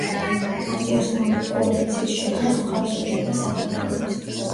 ანტიოსმალური კოალიციის შექმნას მხარს უჭერდა საქართველოც.